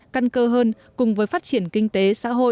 căn cơ hơn cùng với phát triển kinh tế xã hội